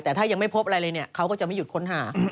แต่ถ้ายังไม่พบอะไรเลยเนี่ยเขาก็จะไม่หยุดค้นหา